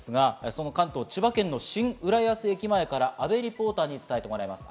その関東、千葉県の新浦安駅前から阿部リポーターに伝えてもらいます。